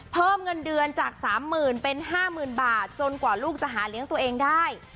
เพิ่มเงินเดือนจาก๓๐๐๐เป็น๕๐๐๐บาทจนกว่าลูกจะหาเลี้ยงตัวเองได้